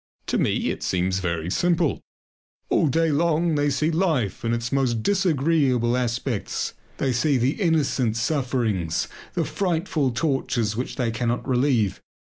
To me it seems very simple. All day long they see life in its most disagreeable aspects. They see the innocent sufferings, the frightful tortures which they cannot relieve.